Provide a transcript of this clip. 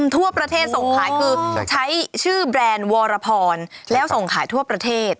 ทั่วประเทศส่งขายคือใช้ชื่อแบรนด์วรพรแล้วส่งขายทั่วประเทศ